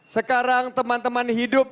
sekarang teman teman hidup